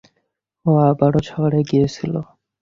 ও আবারো শহরে গিয়েছিল।